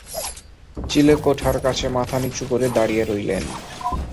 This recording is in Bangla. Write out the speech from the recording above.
চিলেকোঠার কাছে মাথা নিচু করে দাঁড়িয়ে রইলেন।